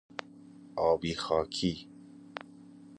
آبی خاکی